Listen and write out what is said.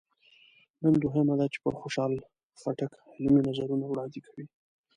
نن دوهمه ده چې پر خوشحال خټک علمي نظرونه وړاندې کوي.